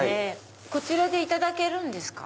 こちらでいただけるんですか？